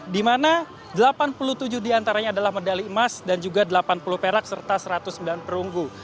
di mana delapan puluh tujuh diantaranya adalah medali emas dan juga delapan puluh perak serta satu ratus sembilan perunggu